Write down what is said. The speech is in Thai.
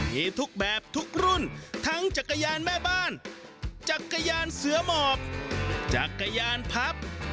มีทุกแบบทุกรุ่นทั้งจักรยานแม่บ้านจักรยานเสือหมอกจักรยานพับ